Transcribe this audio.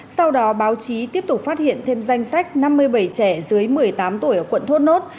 sau đó báo chí tiếp tục phát hiện thêm danh sách năm mươi bảy trẻ dưới một mươi tám tuổi ở quận thốt nốt